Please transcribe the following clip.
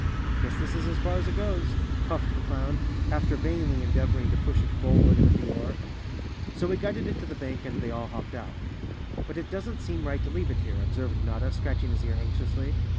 "Guess this is as far as it goes," puffed the clown, after vainly endeavoring to push it forward with the oar. So he guided it to the bank and they all hopped out. " But it doesn't seem right to leave it here," observed Notta, scratching his ear anxiously.